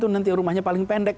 nanti rumahnya paling pendek